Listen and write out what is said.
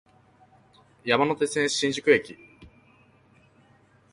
山手線、新宿駅